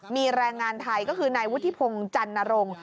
มีแรงงานไทยก็คือนายวุฒิพงศ์จันนรงค์